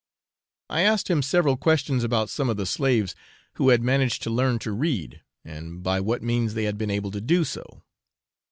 I asked him several questions about some of the slaves who had managed to learn to read, and by what means they had been able to do so.